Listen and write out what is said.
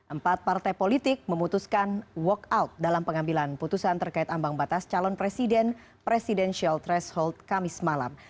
empat partai politik memutuskan walk out dalam pengambilan putusan terkait ambang batas calon presiden presidential threshold kamis malam